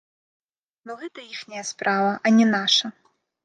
Ну гэта іхняя справа, а не наша!